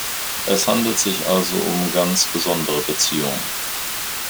Es handelt sich also um ganz besondere Beziehungen.